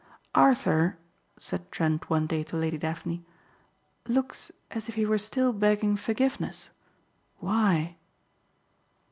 "Arthur," said Trent one day to Lady Daphne, "looks as if he were still begging forgiveness. Why?"